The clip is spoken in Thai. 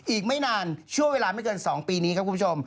อีกไม่นานช่วงเวลาไม่เกิน๒ปีนี้ครับคุณผู้ชม